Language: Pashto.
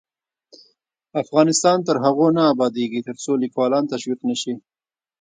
افغانستان تر هغو نه ابادیږي، ترڅو لیکوالان تشویق نشي.